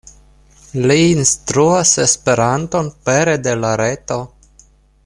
Li instruas Esperanton pere de la reto.